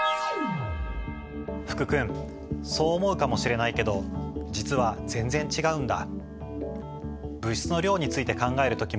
福君そう思うかもしれないけど実は全然違うんだ。